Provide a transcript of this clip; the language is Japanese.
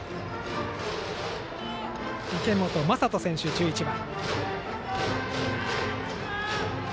池本真人選手、１１番。